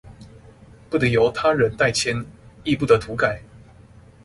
不得由他人代簽亦不得塗改